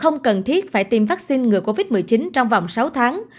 không cần thiết phải tiêm vaccine ngừa covid một mươi chín trong vòng sáu tháng